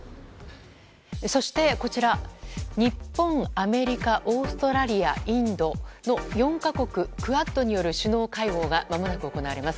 そして、こちら日本、アメリカオーストラリア、インドの４か国クアッドによる首脳会合がまもなく行われます。